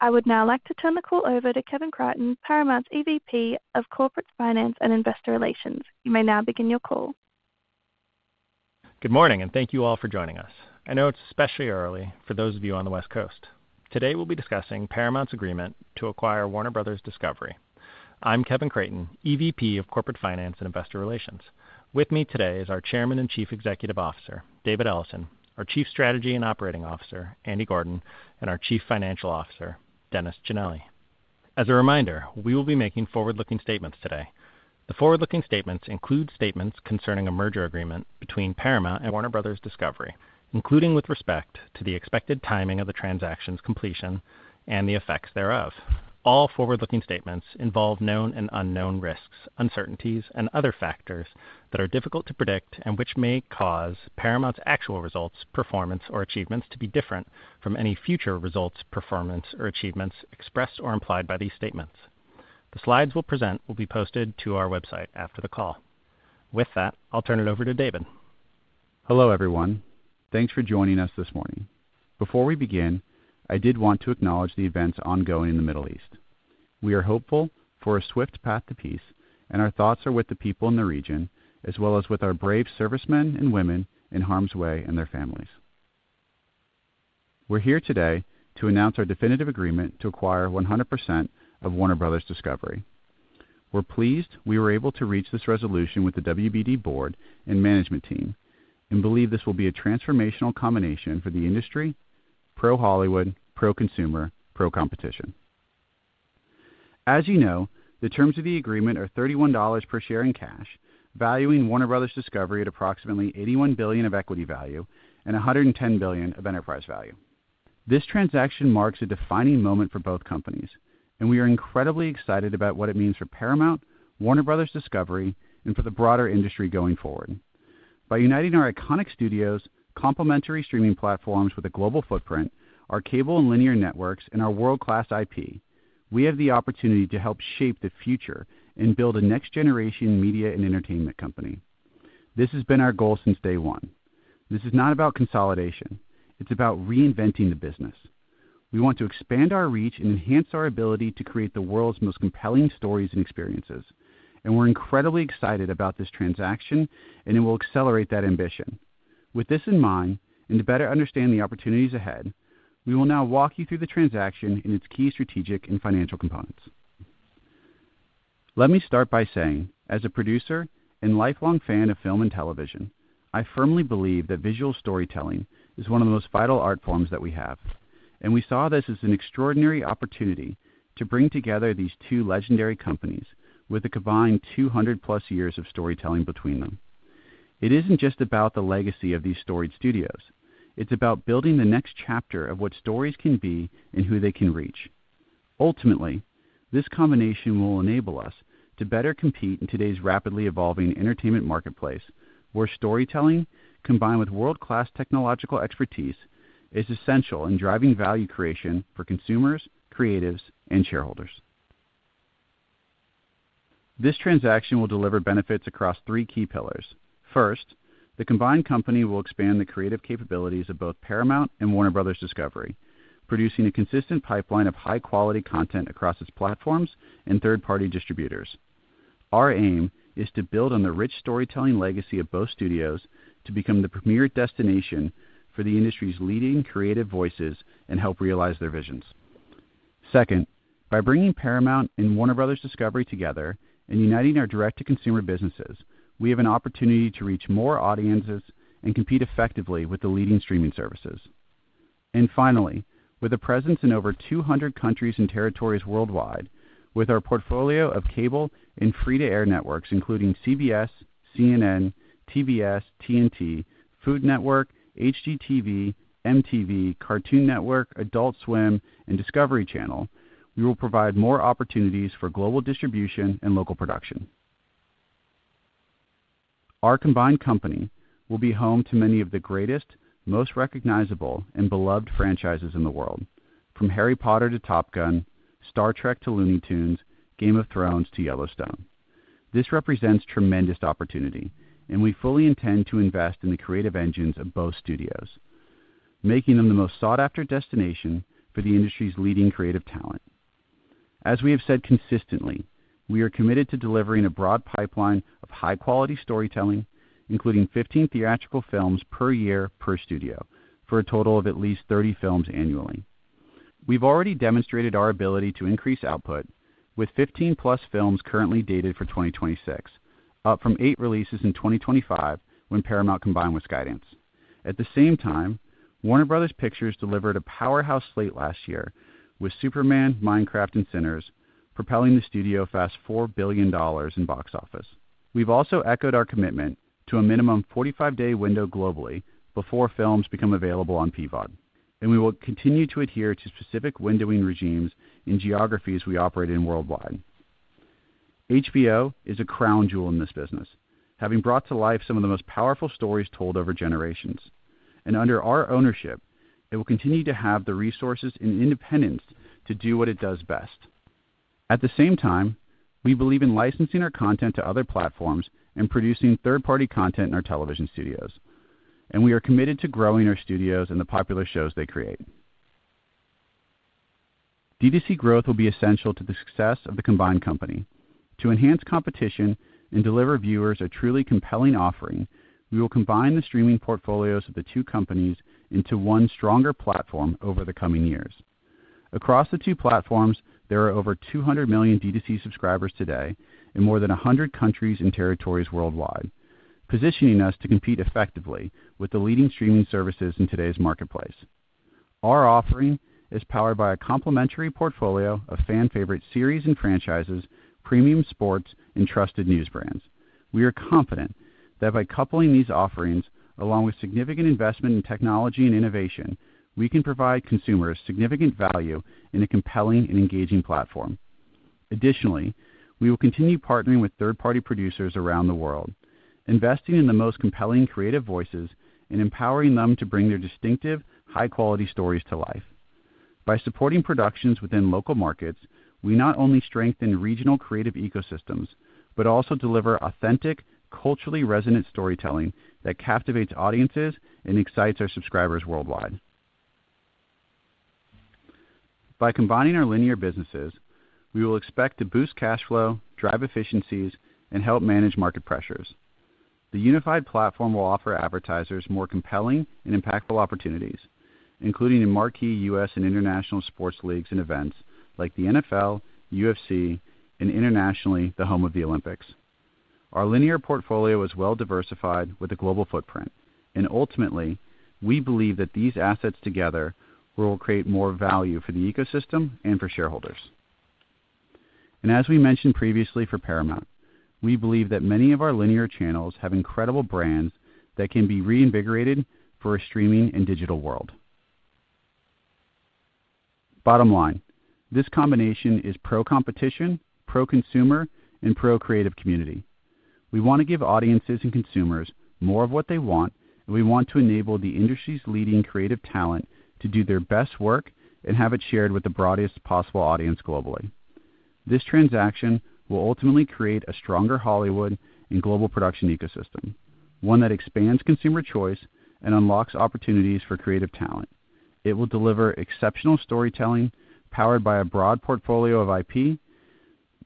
I would now like to turn the call over to Kevin Creighton, Paramount's EVP of Corporate Finance and Investor Relations. You may now begin your call. Good morning, and thank you all for joining us. I know it's especially early for those of you on the West Coast. Today, we'll be discussing Paramount's agreement to acquire Warner Bros. Discovery. I'm Kevin Creighton, EVP of Corporate Finance and Investor Relations. With me today is our Chairman and Chief Executive Officer, David Ellison, our Chief Strategy and Operating Officer, Andy Gordon, and our Chief Financial Officer, Dennis Cinelli. As a reminder, we will be making forward-looking statements today. The forward-looking statements include statements concerning a merger agreement between Paramount and Warner Bros. Discovery, including with respect to the expected timing of the transaction's completion and the effects thereof. All forward-looking statements involve known and unknown risks, uncertainties, and other factors that are difficult to predict and which may cause Paramount's actual results, performance, or achievements to be different from any future results, performance or achievements expressed or implied by these statements. The slides we'll present will be posted to our website after the call. With that, I'll turn it over to David. Hello, everyone. Thanks for joining us this morning. Before we begin, I did want to acknowledge the events ongoing in the Middle East. We are hopeful for a swift path to peace, and our thoughts are with the people in the region, as well as with our brave servicemen and women in harm's way and their families. We're here today to announce our definitive agreement to acquire 100% of Warner Bros. Discovery. We're pleased we were able to reach this resolution with the WBD board and management team and believe this will be a transformational combination for the industry, pro-Hollywood, pro-consumer, pro-competition. As you know, the terms of the agreement are $31 per share in cash, valuing Warner Bros. Discovery at approximately $81 billion of equity value and $110 billion of enterprise value. This transaction marks a defining moment for both companies, and we are incredibly excited about what it means for Paramount, Warner Bros. Discovery, and for the broader industry going forward. By uniting our iconic studios, complementary streaming platforms with a global footprint, our cable and linear networks, and our world-class IP, we have the opportunity to help shape the future and build a next-generation media and entertainment company. This has been our goal since day one. This is not about consolidation. It's about reinventing the business. We want to expand our reach and enhance our ability to create the world's most compelling stories and experiences, and we're incredibly excited about this transaction and it will accelerate that ambition. With this in mind, and to better understand the opportunities ahead, we will now walk you through the transaction in its key strategic and financial components. Let me start by saying, as a producer and lifelong fan of film and television, I firmly believe that visual storytelling is one of the most vital art forms that we have. We saw this as an extraordinary opportunity to bring together these two legendary companies with a combined 200 plus years of storytelling between them. It isn't just about the legacy of these storied studios. It's about building the next chapter of what stories can be and who they can reach. Ultimately, this combination will enable us to better compete in today's rapidly evolving entertainment marketplace, where storytelling, combined with world-class technological expertise, is essential in driving value creation for consumers, creatives and shareholders. This transaction will deliver benefits across three key pillars. First, the combined company will expand the creative capabilities of both Paramount and Warner Bros. Discovery, producing a consistent pipeline of high-quality content across its platforms and third-party distributors. Our aim is to build on the rich storytelling legacy of both studios to become the premier destination for the industry's leading creative voices and help realize their visions. Second, by bringing Paramount and Warner Bros. Discovery together and uniting our direct-to-consumer businesses, we have an opportunity to reach more audiences and compete effectively with the leading streaming services. Finally, with a presence in over 200 countries and territories worldwide with our portfolio of cable and free-to-air networks, including CBS, CNN, TBS, TNT, Food Network, HGTV, MTV, Cartoon Network, Adult Swim, and Discovery Channel, we will provide more opportunities for global distribution and local production. Our combined company will be home to many of the greatest, most recognizable and beloved franchises in the world, from Harry Potter to Top Gun, Star Trek to Looney Tunes, Game of Thrones to Yellowstone. This represents tremendous opportunity, and we fully intend to invest in the creative engines of both studios, making them the most sought-after destination for the industry's leading creative talent. As we have said consistently, we are committed to delivering a broad pipeline of high-quality storytelling, including 15 theatrical films per year per studio, for a total of at least 30 films annually. We've already demonstrated our ability to increase output with 15-plus films currently dated for 2026, up from 8 releases in 2025 when Paramount combined with Skydance. Warner Bros. Pictures delivered a powerhouse slate last year with Superman, Minecraft, and Shazam!, propelling the studio past $4 billion in box office. We've also echoed our commitment to a minimum 45-day window globally before films become available on PVOD, we will continue to adhere to specific windowing regimes in geographies we operate in worldwide. HBO is a crown jewel in this business, having brought to life some of the most powerful stories told over generations. Under our ownership, it will continue to have the resources and independence to do what it does best. We believe in licensing our content to other platforms and producing third-party content in our television studios, we are committed to growing our studios and the popular shows they create. D2C growth will be essential to the success of the combined company. To enhance competition and deliver viewers a truly compelling offering, we will combine the streaming portfolios of the two companies into one stronger platform over the coming years. Across the two platforms, there are over 200 million D2C subscribers today in more than 100 countries and territories worldwide, positioning us to compete effectively with the leading streaming services in today's marketplace. Our offering is powered by a complementary portfolio of fan favorite series and franchises, premium sports, and trusted news brands. We are confident that by coupling these offerings, along with significant investment in technology and innovation, we can provide consumers significant value in a compelling and engaging platform. Additionally, we will continue partnering with third-party producers around the world, investing in the most compelling creative voices and empowering them to bring their distinctive high-quality stories to life. By supporting productions within local markets, we not only strengthen regional creative ecosystems, but also deliver authentic, culturally resonant storytelling that captivates audiences and excites our subscribers worldwide. By combining our linear businesses, we will expect to boost cash flow, drive efficiencies, and help manage market pressures. The unified platform will offer advertisers more compelling and impactful opportunities, including in marquee U.S. and international sports leagues and events like the NFL, UFC, and internationally, the home of the Olympics. Our linear portfolio is well diversified with a global footprint, and ultimately, we believe that these assets together will create more value for the ecosystem and for shareholders. As we mentioned previously for Paramount, we believe that many of our linear channels have incredible brands that can be reinvigorated for a streaming and digital world. Bottom line, this combination is pro-competition, pro-consumer, and pro-creative community. We wanna give audiences and consumers more of what they want, and we want to enable the industry's leading creative talent to do their best work and have it shared with the broadest possible audience globally. This transaction will ultimately create a stronger Hollywood and global production ecosystem, one that expands consumer choice and unlocks opportunities for creative talent. It will deliver exceptional storytelling powered by a broad portfolio of IP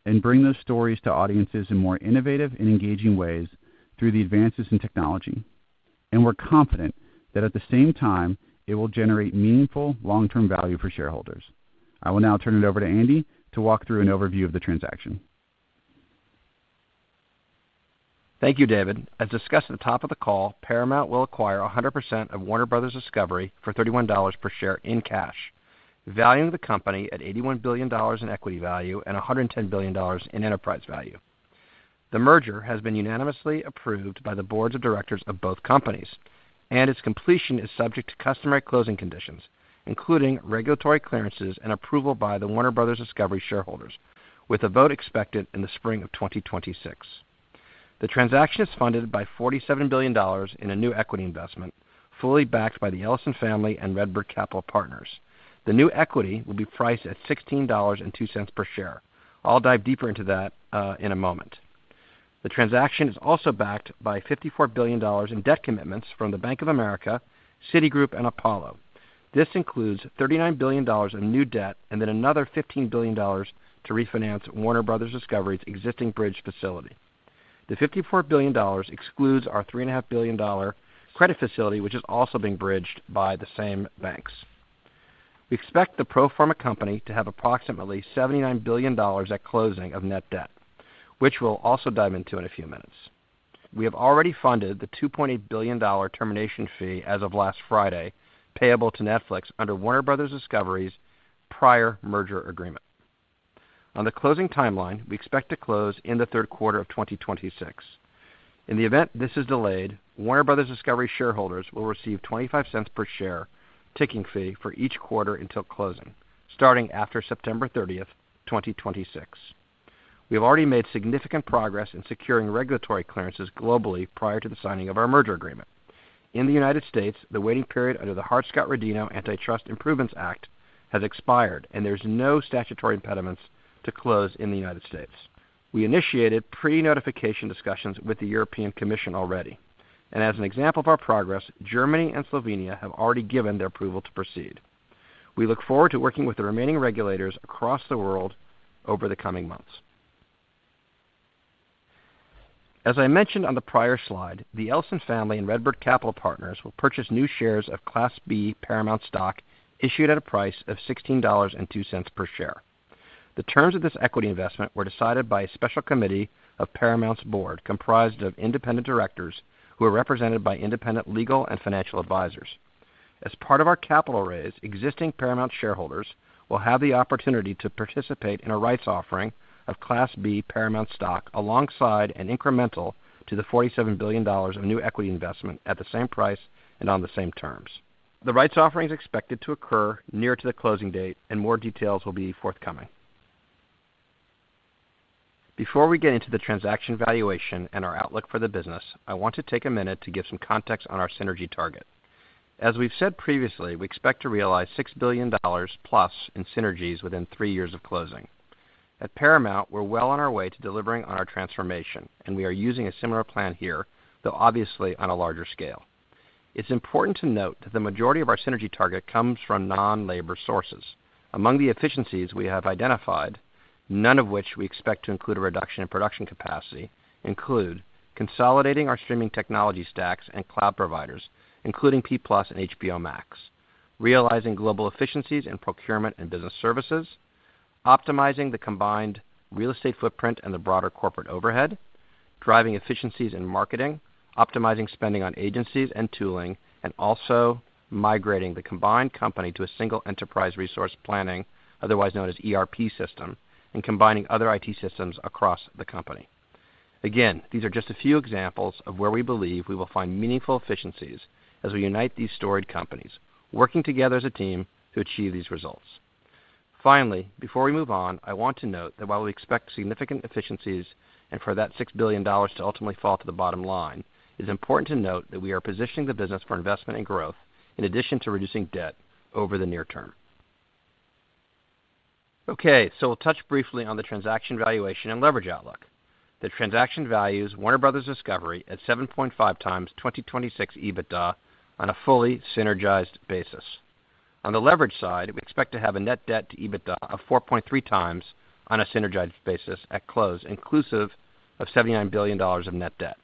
and bring those stories to audiences in more innovative and engaging ways through the advances in technology. We're confident that at the same time, it will generate meaningful long-term value for shareholders. I will now turn it over to Andy to walk through an overview of the transaction. Thank you, David. As discussed at the top of the call, Paramount will acquire 100% of Warner Bros. Discovery for $31 per share in cash, valuing the company at $81 billion in equity value and $110 billion in enterprise value. Its completion is subject to customary closing conditions, including regulatory clearances and approval by the Warner Bros. Discovery shareholders, with a vote expected in the spring of 2026. The transaction is funded by $47 billion in a new equity investment, fully backed by the Ellison family and RedBird Capital Partners. The new equity will be priced at $16.02 per share. I'll dive deeper into that in a moment. The transaction is also backed by $54 billion in debt commitments from Bank of America, Citigroup, and Apollo. This includes $39 billion in new debt and another $15 billion to refinance Warner Bros. Discovery's existing bridge facility. The $54 billion excludes our three and a half billion dollar credit facility, which is also being bridged by the same banks. We expect thePro Forma company to have approximately $79 billion at closing of net debt, which we'll also dive into in a few minutes. We have already funded the $2.8 billion termination fee as of last Friday, payable to Netflix under Warner Bros. Discovery's prior merger agreement. On the closing timeline, we expect to close in the third quarter of 2026. In the event this is delayed, Warner Bros. Discovery shareholders will receive $0.25 per share ticking fee for each quarter until closing, starting after September 30, 2026. We have already made significant progress in securing regulatory clearances globally prior to the signing of our merger agreement. In the United States, the waiting period under the Hart-Scott-Rodino Antitrust Improvements Act has expired, and there's no statutory impediments to close in the United States. We initiated pre-notification discussions with the European Commission already. As an example of our progress, Germany and Slovenia have already given their approval to proceed. We look forward to working with the remaining regulators across the world over the coming months. As I mentioned on the prior slide, the Ellison family and RedBird Capital Partners will purchase new shares of Class B Paramount stock issued at a price of $16.02 per share. The terms of this equity investment were decided by a special committee of Paramount's board, comprised of independent directors who are represented by independent legal and financial advisors. As part of our capital raise, existing Paramount shareholders will have the opportunity to participate in a rights offering of Class B Paramount stock alongside an incremental to the $47 billion of new equity investment at the same price and on the same terms. The rights offering is expected to occur near to the closing date, and more details will be forthcoming. Before we get into the transaction valuation and our outlook for the business, I want to take a minute to give some context on our synergy target. As we've said previously, we expect to realize $6 billion plus in synergies within three years of closing. At Paramount, we're well on our way to delivering on our transformation, and we are using a similar plan here, though obviously on a larger scale. It's important to note that the majority of our synergy target comes from non-labor sources. Among the efficiencies we have identified, none of which we expect to include a reduction in production capacity, include consolidating our streaming technology stacks and cloud providers, including Paramount+ and HBO Max, realizing global efficiencies in procurement and business services, optimizing the combined real estate footprint and the broader corporate overhead, driving efficiencies in marketing, optimizing spending on agencies and tooling, and also migrating the combined company to a single enterprise resource planning, otherwise known as ERP system, and combining other IT systems across the company. These are just a few examples of where we believe we will find meaningful efficiencies as we unite these storied companies, working together as a team to achieve these results. Before we move on, I want to note that while we expect significant efficiencies and for that $6 billion to ultimately fall to the bottom line, it is important to note that we are positioning the business for investment and growth in addition to reducing debt over the near term. We'll touch briefly on the transaction valuation and leverage outlook. The transaction values Warner Bros. Discovery at 7.5x 2026 EBITDA on a fully synergized basis. On the leverage side, we expect to have a net debt to EBITDA of 4.3x on a synergized basis at close, inclusive of $79 billion of net debt.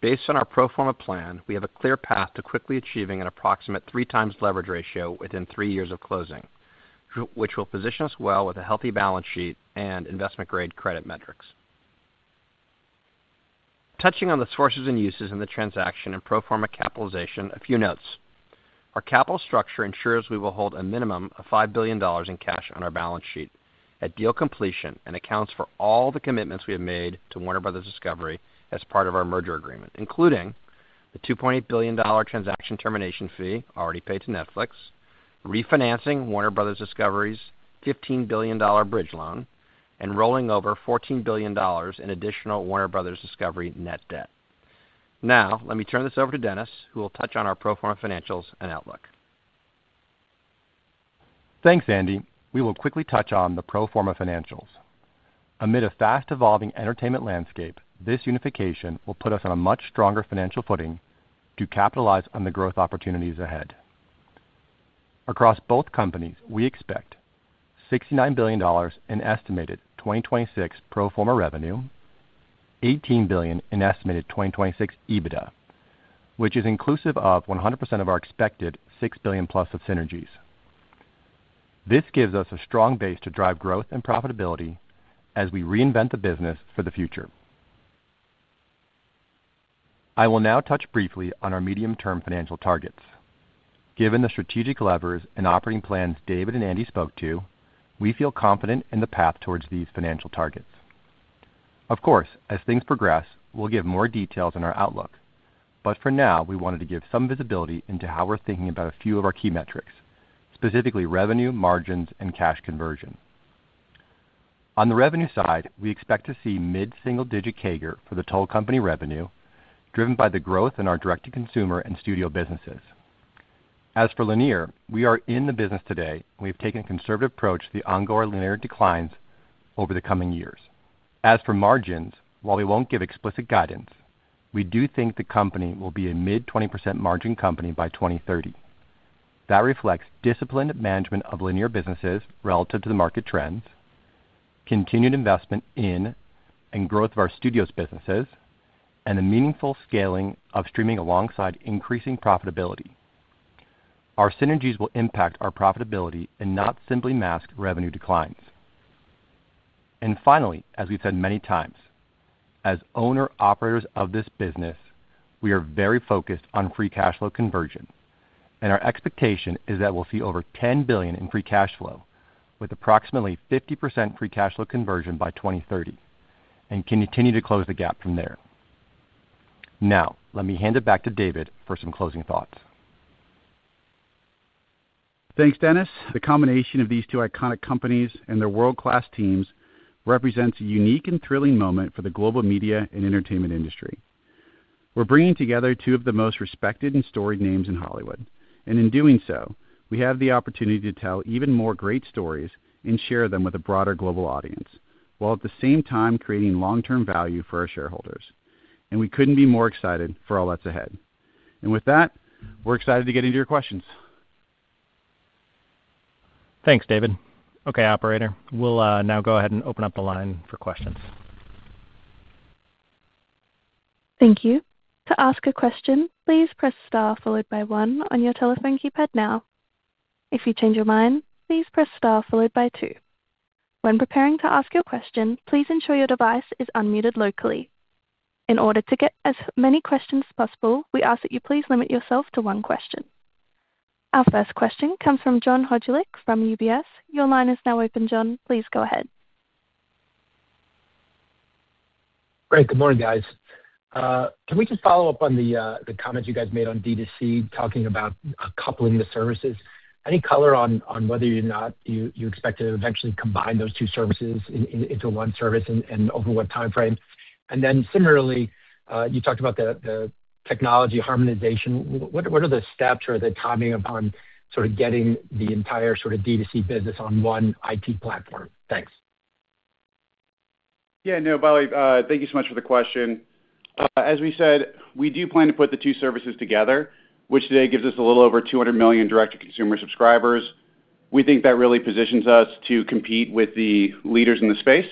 Based on ourPro Forma plan, we have a clear path to quickly achieving an approximate 3x leverage ratio within three years of closing, which will position us well with a healthy balance sheet and investment-grade credit metrics. Touching on the sources and uses in the transaction andPro Forma capitalization, a few notes. Our capital structure ensures we will hold a minimum of $5 billion in cash on our balance sheet at deal completion and accounts for all the commitments we have made to Warner Bros. Discovery as part of our merger agreement, including the $2.8 billion transaction termination fee already paid to Netflix, refinancing Warner Bros. Discovery's $15 billion bridge loan, and rolling over $14 billion in additional Warner Bros. Discovery net debt. Now let me turn this over to Dennis, who will touch on our Pro Forma financials and outlook. Thanks, Andy. We will quickly touch on thePro Forma financials. Amid a fast-evolving entertainment landscape, this unification will put us on a much stronger financial footing to capitalize on the growth opportunities ahead. Across both companies, we expect $69 billion in estimated 2026 Pro Forma revenue, $18 billion in estimated 2026 EBITDA, which is inclusive of 100% of our expected $6 billion+ of synergies. This gives us a strong base to drive growth and profitability as we reinvent the business for the future. I will now touch briefly on our medium-term financial targets. Given the strategic levers and operating plans David and Andy spoke to, we feel confident in the path towards these financial targets. Of course, as things progress, we'll give more details on our outlook. For now, we wanted to give some visibility into how we're thinking about a few of our key metrics, specifically revenue, margins, and cash conversion. On the revenue side, we expect to see mid-single-digit CAGR for the total company revenue driven by the growth in our direct-to-consumer and studio businesses. As for linear, we are in the business today, and we have taken a conservative approach to the ongoing linear declines over the coming years. As for margins, while we won't give explicit guidance, we do think the company will be a mid 20% margin company by 2030. That reflects disciplined management of linear businesses relative to the market trends, continued investment in and growth of our studios businesses, and a meaningful scaling of streaming alongside increasing profitability. Our synergies will impact our profitability and not simply mask revenue declines. Finally, as we've said many times, as owner-operators of this business, we are very focused on free cash flow conversion, and our expectation is that we'll see over $10 billion in free cash flow with approximately 50% free cash flow conversion by 2030 and continue to close the gap from there. Let me hand it back to David for some closing thoughts. Thanks, Dennis. The combination of these two iconic companies and their world-class teams represents a unique and thrilling moment for the global media and entertainment industry. We're bringing together two of the most respected and storied names in Hollywood. In doing so, we have the opportunity to tell even more great stories and share them with a broader global audience, while at the same time creating long-term value for our shareholders. We couldn't be more excited for all that's ahead. With that, we're excited to get into your questions. Thanks, David. Okay, operator, we'll now go ahead and open up the line for questions. Thank you. To ask a question, please press star followed by one on your telephone keypad now. If you change your mind, please press star followed by two. When preparing to ask your question, please ensure your device is unmuted locally. In order to get as many questions as possible, we ask that you please limit yourself to one question. Our first question comes from John Hodulik from UBS. Your line is now open, John. Please go ahead. Great. Good morning, guys. Can we just follow up on the comments you guys made on D2C, talking about coupling the services? Any color on whether or not you expect to eventually combine those two services into one service and over what timeframe? Similarly, you talked about the technology harmonization. What are the steps or the timing upon sort of getting the entire sort of D2C business on one IT platform? Thanks. Yeah, no, Hodulik, thank you so much for the question. As we said, we do plan to put the two services together, which today gives us a little over 200 million direct-to-consumer subscribers. We think that really positions us to compete with the leaders in the space.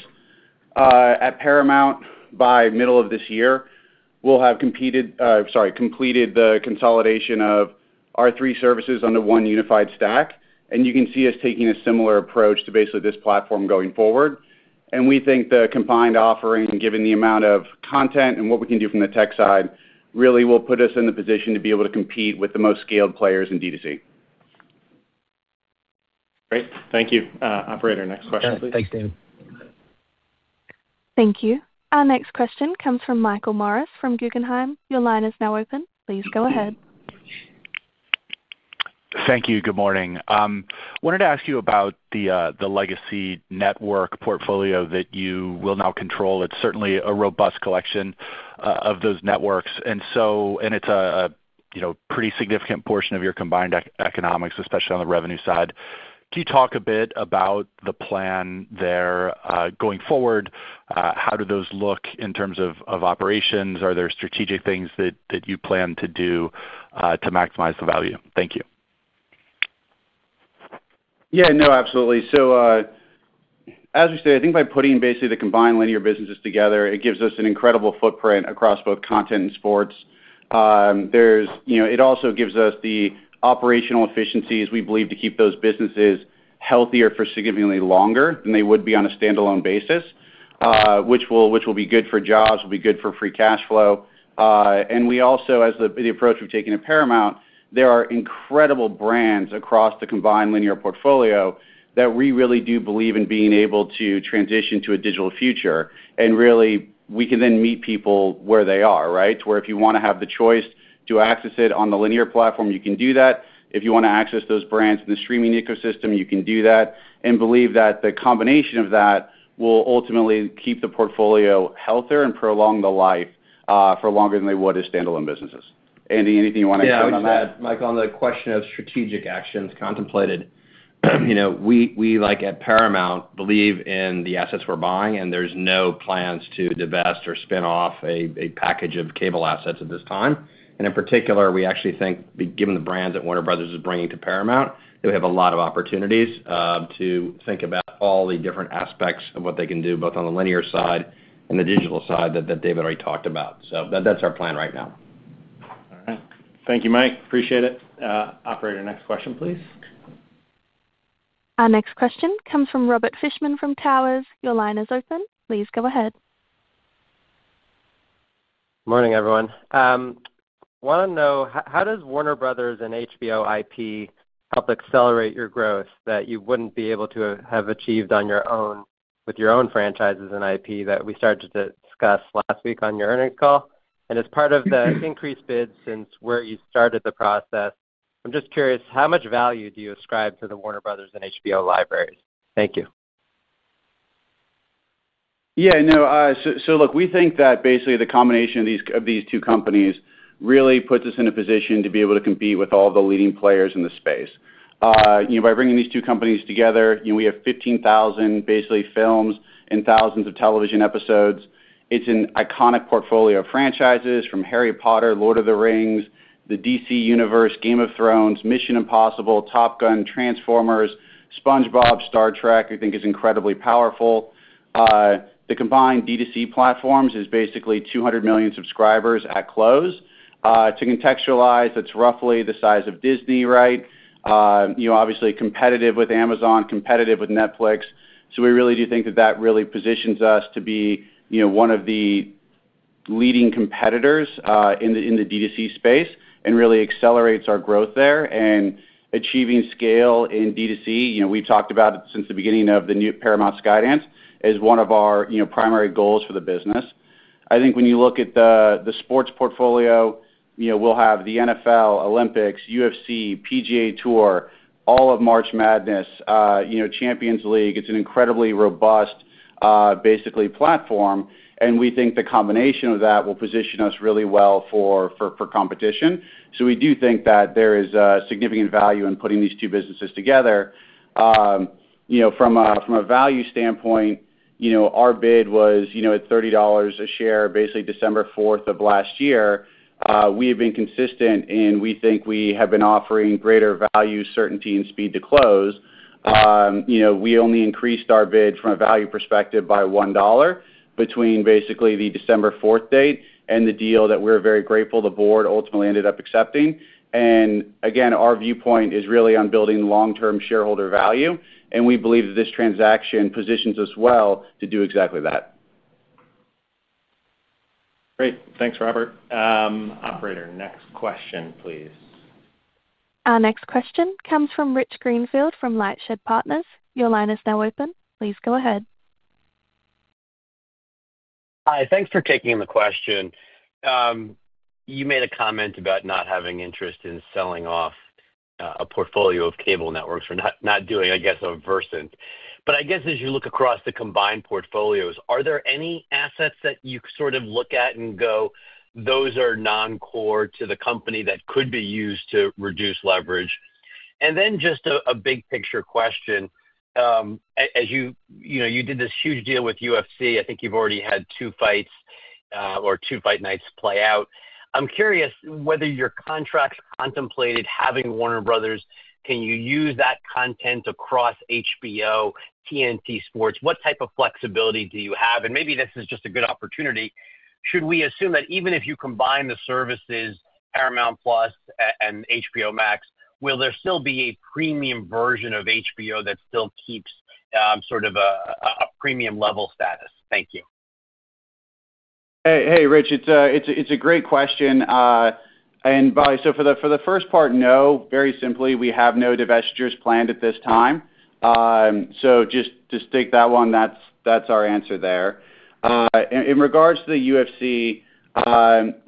At Paramount, by middle of this year, we'll have completed the consolidation of our three services under one unified stack, you can see us taking a similar approach to basically this platform going forward. We think the combined offering, given the amount of content and what we can do from the tech side, really will put us in the position to be able to compete with the most scaled players in D2C. Great. Thank you. Operator, next question please. Okay. Thanks, David. Thank you. Our next question comes from Michael Morris from Guggenheim. Your line is now open. Please go ahead. Thank you. Good morning. Wanted to ask you about the legacy network portfolio that you will now control. It's certainly a robust collection of those networks, and it's a, you know, pretty significant portion of your combined economics, especially on the revenue side. Can you talk a bit about the plan there, going forward? How do those look in terms of operations? Are there strategic things that you plan to do to maximize the value? Thank you. Yeah, no, absolutely. As we said, I think by putting basically the combined linear businesses together, it gives us an incredible footprint across both content and sports. You know, it also gives us the operational efficiencies we believe to keep those businesses healthier for significantly longer than they would be on a standalone basis, which will be good for jobs, it will be good for free cash flow. And we also, as the approach we've taken at Paramount, there are incredible brands across the combined linear portfolio that we really do believe in being able to transition to a digital future. Really, we can then meet people where they are, right? Where if you wanna have the choice to access it on the linear platform, you can do that. If you wanna access those brands in the streaming ecosystem, you can do that. Believe that the combination of that will ultimately keep the portfolio healthier and prolong the life, for longer than they would as standalone businesses. Andy, anything you wanna add on that? Yeah, I would just add, Mike, on the question of strategic actions contemplated, you know, we like at Paramount believe in the assets we're buying and there's no plans to divest or spin off a package of cable assets at this time. In particular, we actually think given the brands that Warner Bros. is bringing to Paramount, they have a lot of opportunities to think about all the different aspects of what they can do, both on the linear side and the digital side that David already talked about. That's our plan right now. All right. Thank you, Mike. Appreciate it. Operator, next question, please. Our next question comes from Robert Fishman from MoffettNathanson. Your line is open. Please go ahead. Morning, everyone. Wanna know how does Warner Bros. and HBO IP help accelerate your growth that you wouldn't be able to have achieved on your own with your own franchises and IP that we started to discuss last week on your earnings call? As part of the increased bid since where you started the process, I'm just curious, how much value do you ascribe to the Warner Bros. and HBO libraries? Thank you. Look, we think that basically the combination of these two companies really puts us in a position to be able to compete with all the leading players in the space. You know, by bringing these two companies together, you know, we have 15,000 basically films and thousands of television episodes. It's an iconic portfolio of franchises from Harry Potter, Lord of the Rings, the DC Universe, Game of Thrones, Mission: Impossible, Top Gun, Transformers, SpongeBob, Star Trek, we think is incredibly powerful. The combined D2C platforms is basically 200 million subscribers at close. To contextualize, it's roughly the size of Disney, right? You know, obviously competitive with Amazon, competitive with Netflix. We really do think that that really positions us to be, you know, one of the leading competitors, in the D2C space and really accelerates our growth there. Achieving scale in D2C, you know, we've talked about it since the beginning of the new Paramount Skydance, is one of our, you know, primary goals for the business. I think when you look at the sports portfolio, you know, we'll have the NFL, Olympics, UFC, PGA Tour, all of March Madness, you know, Champions League. It's an incredibly robust, basically platform. We think the combination of that will position us really well for competition. We do think that there is significant value in putting these two businesses together. you know, from a value standpoint, you know, our bid was, you know, at $30 a share, basically December 4th of last year. We have been consistent, and we think we have been offering greater value, certainty and speed to close. you know, we only increased our bid from a value perspective by $1 between basically the December 4th date and the deal that we're very grateful the board ultimately ended up accepting. Again, our viewpoint is really on building long-term shareholder value, and we believe that this transaction positions us well to do exactly that. Great. Thanks, Robert. operator, next question, please. Our next question comes from Rich Greenfield from LightShed Partners. Your line is now open. Please go ahead. Hi. Thanks for taking the question. You made a comment about not having interest in selling off a portfolio of cable networks or not doing, I guess, a Versant. I guess as you look across the combined portfolios, are there any assets that you sort of look at and go, those are non-core to the company that could be used to reduce leverage? Then just a big picture question. As you know, you did this huge deal with UFC. I think you've already had two fights or two fight nights play out. I'm curious whether your contracts contemplated having Warner Bros. Can you use that content across HBO, TNT Sports? What type of flexibility do you have? Maybe this is just a good opportunity. Should we assume that even if you combine the services Paramount+ and HBO Max, will there still be a premium version of HBO that still keeps, sort of a premium level status? Thank you. Hey, Rich. It's a great question. For the first part, no. Very simply, we have no divestitures planned at this time. Just take that one. That's our answer there. In regards to the UFC,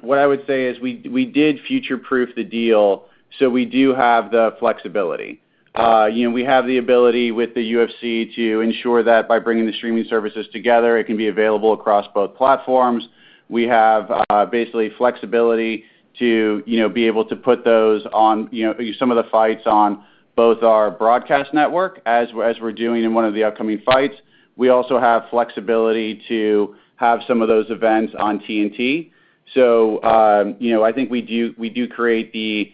what I would say is we did future-proof the deal, so we do have the flexibility. You know, we have the ability with the UFC to ensure that by bringing the streaming services together it can be available across both platforms. We have basically flexibility to, you know, be able to put those on, you know, some of the fights on both our broadcast network as we're doing in one of the upcoming fights. We also have flexibility to have some of those events on TNT. You know, I think we do create the.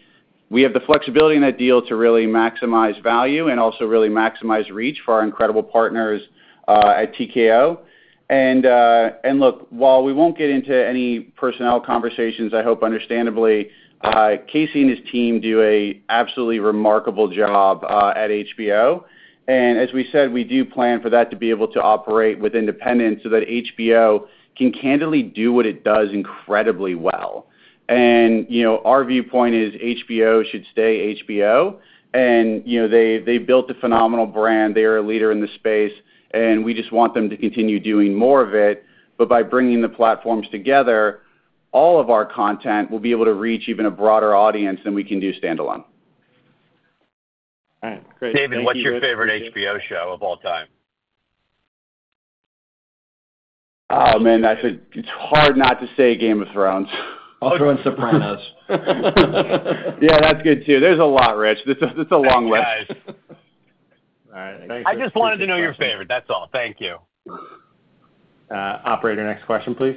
We have the flexibility in that deal to really maximize value and also really maximize reach for our incredible partners at TKO. Look, while we won't get into any personnel conversations, I hope understandably, Casey and his team do a absolutely remarkable job at HBO. As we said, we do plan for that to be able to operate with independence so that HBO can candidly do what it does incredibly well. You know, our viewpoint is HBO should stay HBO and, you know, they built a phenomenal brand. They are a leader in the space, and we just want them to continue doing more of it. By bringing the platforms together, all of our content will be able to reach even a broader audience than we can do standalone. All right. Great. David, what's your favorite HBO show of all time? Oh, man, It's hard not to say Game of Thrones. I'll throw in Sopranos. Yeah, that's good too. There's a lot, Rich. It's a, it's a long list. Guys. All right. I just wanted to know your favorite, that's all. Thank you. Operator, next question, please.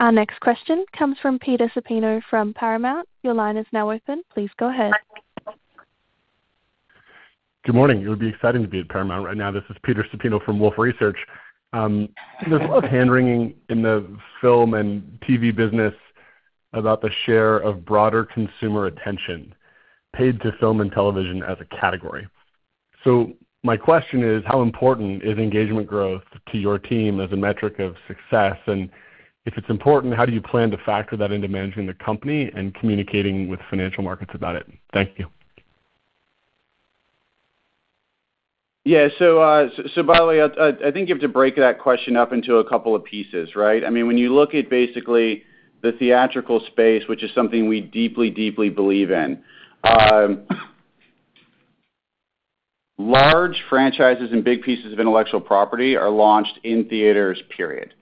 Our next question comes from Peter Supino from Paramount. Your line is now open. Please go ahead. Good morning. It would be exciting to be at Paramount right now. This is Peter Supino from Wolfe Research. There's a lot of hand-wringing in the film and T.V. business about the share of broader consumer attention paid to film and television as a category. My question is, how important is engagement growth to your team as a metric of success? If it's important, how do you plan to factor that into managing the company and communicating with financial markets about it? Thank you. By the way, I think you have to break that question up into a couple of pieces, right? I mean, when you look at basically the theatrical space, which is something we deeply believe in, large franchises and big pieces of intellectual property are launched in theaters, period.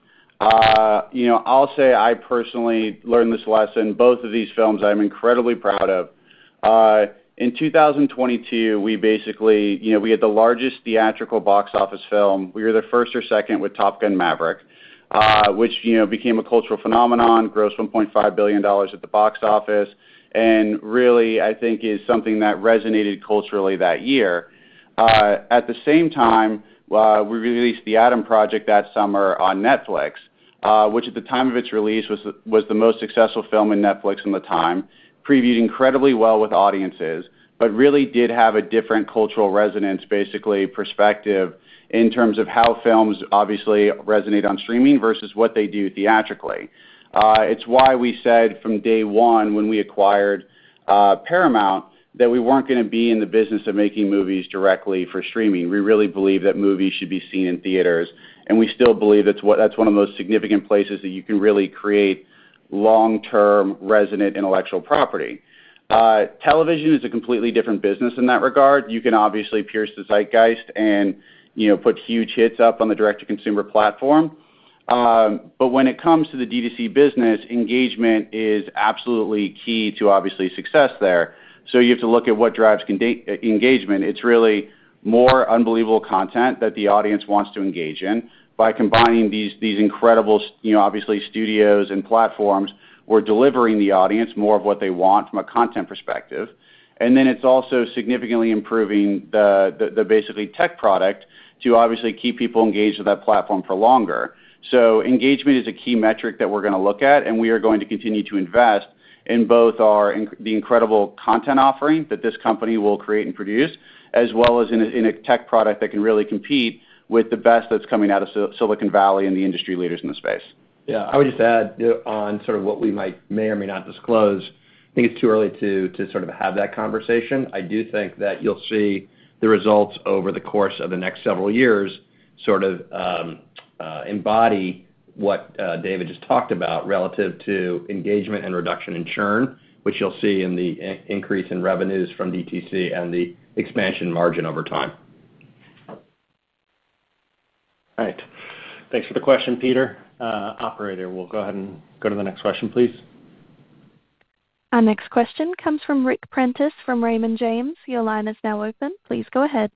You know, I'll say I personally learned this lesson, both of these films I'm incredibly proud of. In 2022, we basically, you know, we had the largest theatrical box office film. We were the first or second with Top Gun: Maverick, which, you know, became a cultural phenomenon, grossed $1.5 billion at the box office, and really, I think is something that resonated culturally that year. At the same time, we released The Adam Project that summer on Netflix, which at the time of its release was the most successful film in Netflix in the time, previewed incredibly well with audiences, but really did have a different cultural resonance, basically perspective in terms of how films obviously resonate on streaming versus what they do theatrically. It's why we said from day one when we acquired Paramount that we weren't gonna be in the business of making movies directly for streaming. We really believe that movies should be seen in theaters, and we still believe that's one of the most significant places that you can really create long-term resonant intellectual property. Television is a completely different business in that regard. You can obviously pierce the zeitgeist and, you know, put huge hits up on the direct to consumer platform. When it comes to the D2C business, engagement is absolutely key to obviously success there. You have to look at what drives engagement. It's really more unbelievable content that the audience wants to engage in. By combining these incredible, you know, obviously studios and platforms, we're delivering the audience more of what they want from a content perspective. It's also significantly improving the basically tech product to obviously keep people engaged with that platform for longer. Engagement is a key metric that we're going to look at, we are going to continue to invest in both our incredible content offering that this company will create and produce, as well as in a tech product that can really compete with the best that's coming out of Silicon Valley and the industry leaders in the space. I would just add on sort of what we may or may not disclose. I think it's too early to sort of have that conversation. I do think that you'll see the results over the course of the next several years, sort of, embody what David just talked about relative to engagement and reduction in churn, which you'll see in the increase in revenues from DTC and the expansion margin over time. All right. Thanks for the question, Peter. Operator, we'll go ahead and go to the next question, please. Our next question comes from Ric Prentiss from Raymond James. Your line is now open. Please go ahead.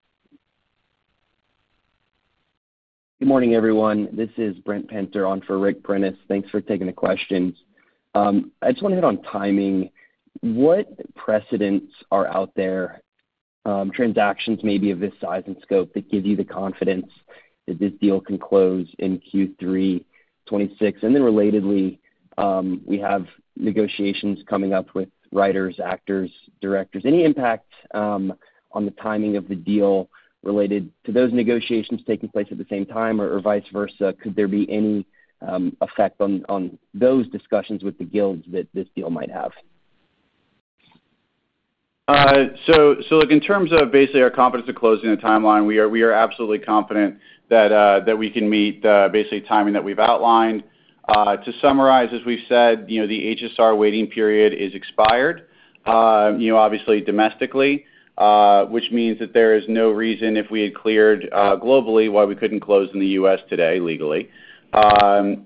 Good morning, everyone. This is Brent Penter on for Ric Prentiss. Thanks for taking the questions. I just wonder on timing, what precedents are out there, transactions maybe of this size and scope that give you the confidence that this deal can close in Q3 2026? Relatedly, we have negotiations coming up with writers, actors, directors. Any impact on the timing of the deal related to those negotiations taking place at the same time, or vice versa, could there be any effect on those discussions with the guilds that this deal might have? Look, in terms of basically our confidence to closing the timeline, we are absolutely confident that we can meet basically timing that we've outlined. To summarize, as we've said, you know, the HSR waiting period is expired, you know, obviously domestically, which means that there is no reason if we had cleared globally, why we couldn't close in the U.S. today, legally.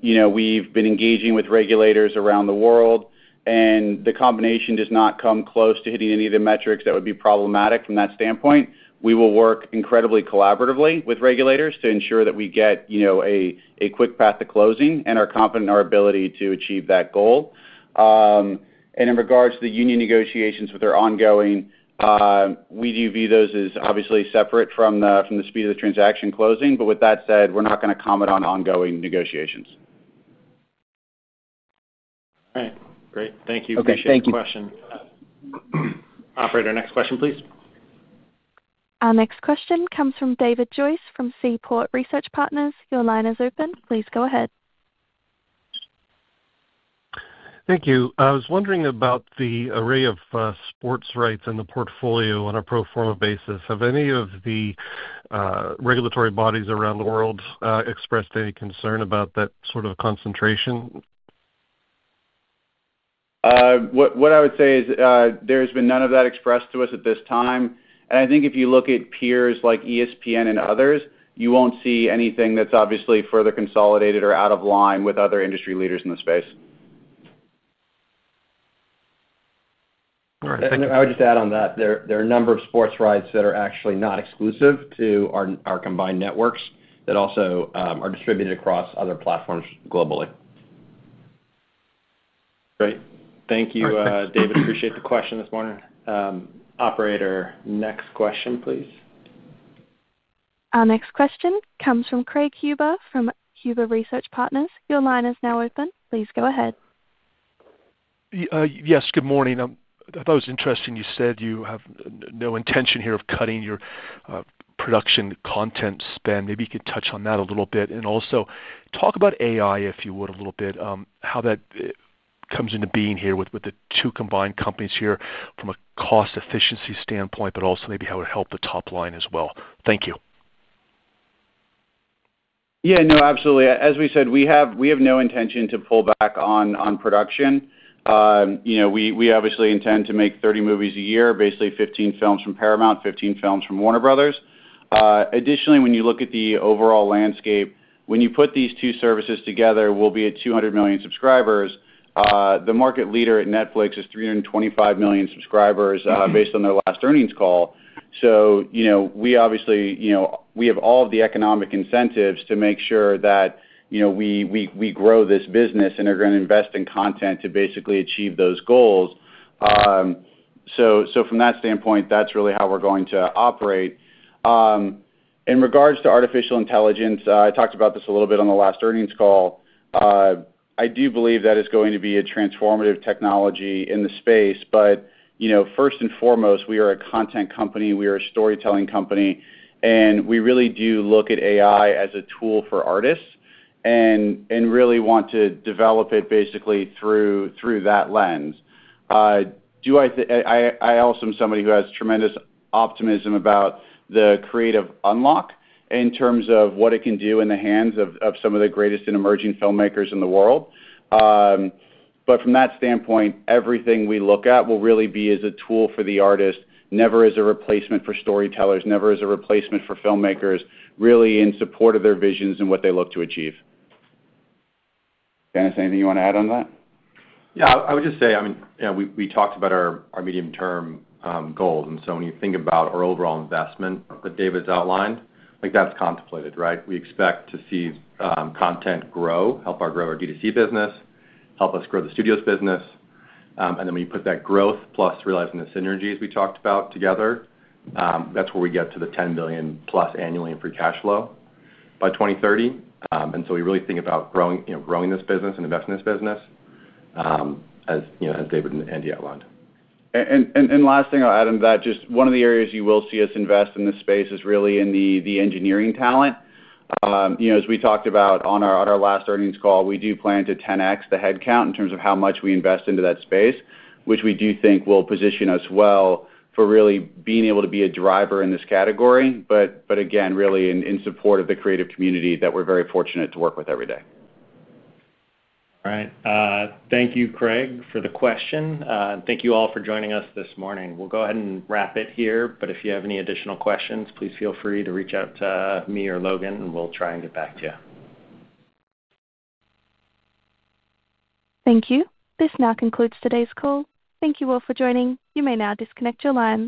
You know, we've been engaging with regulators around the world, the combination does not come close to hitting any of the metrics that would be problematic from that standpoint. We will work incredibly collaboratively with regulators to ensure that we get, you know, a quick path to closing and are confident in our ability to achieve that goal. In regards to the union negotiations which are ongoing, we do view those as obviously separate from the speed of the transaction closing. With that said, we're not gonna comment on ongoing negotiations. All right. Great. Thank you. Appreciate the question. Okay. Thank you. Operator, next question, please. Our next question comes from David Joyce from Seaport Research Partners. Your line is open. Please go ahead. Thank you. I was wondering about the array of sports rights in the portfolio on aPro Forma basis. Have any of the regulatory bodies around the world expressed any concern about that sort of concentration? What I would say is, there's been none of that expressed to us at this time. I think if you look at peers like ESPN and others, you won't see anything that's obviously further consolidated or out of line with other industry leaders in the space. All right. I would just add on that. There are a number of sports rights that are actually not exclusive to our combined networks that also are distributed across other platforms globally. Great. Thank you. Perfect. David, appreciate the question this morning. Operator, next question, please. Our next question comes from Craig Huber from Huber Research Partners. Your line is now open. Please go ahead. Yes, good morning. I thought it was interesting you said you have no intention here of cutting your production content spend. Maybe you could touch on that a little bit. Also talk about AI, if you would, a little bit, how that comes into being here with the two combined companies here from a cost efficiency standpoint, but also maybe how it would help the top line as well. Thank you. Yeah, no, absolutely. As we said, we have no intention to pull back on production. you know, we obviously intend to make 30 movies a year, basically 15 films from Paramount, 15 films from Warner Brothers. Additionally, when you look at the overall landscape, when you put these two services together, we'll be at 200 million subscribers. The market leader at Netflix is 325 million subscribers, based on their last earnings call. you know, we obviously, you know, we have all of the economic incentives to make sure that, you know, we grow this business and are gonna invest in content to basically achieve those goals. From that standpoint, that's really how we're going to operate. In regards to artificial intelligence, I talked about this a little bit on the last earnings call. I do believe that it's going to be a transformative technology in the space. You know, first and foremost, we are a content company, we are a storytelling company, and we really do look at AI as a tool for artists and really want to develop it basically through that lens. I also am somebody who has tremendous optimism about the creative unlock in terms of what it can do in the hands of some of the greatest and emerging filmmakers in the world. From that standpoint, everything we look at will really be as a tool for the artist, never as a replacement for storytellers, never as a replacement for filmmakers, really in support of their visions and what they look to achieve. Dennis, anything you wanna add on that? Yeah. I would just say, I mean, you know, we talked about our medium-term goals. When you think about our overall investment that David's outlined, I think that's contemplated, right? We expect to see content grow, help our grow our D2C business, help us grow the studios business. When you put that growth plus realizing the synergies we talked about together, that's where we get to the $10 billion plus annually in free cash flow by 2030. We really think about growing, you know, growing this business and investing in this business, as, you know, as David and Andy outlined. Last thing I'll add on that, just one of the areas you will see us invest in this space is really in the engineering talent. You know, as we talked about on our last earnings call, we do plan to 10x the headcount in terms of how much we invest into that space, which we do think will position us well for really being able to be a driver in this category. Again, really in support of the creative community that we're very fortunate to work with every day. All right. Thank you, Craig, for the question. Thank you all for joining us this morning. We'll go ahead and wrap it here, but if you have any additional questions, please feel free to reach out to me or Logan, and we'll try and get back to you. Thank you. This now concludes today's call. Thank you all for joining. You may now disconnect your lines.